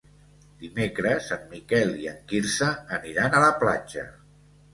Dimecres en Miquel i en Quirze aniran a la platja.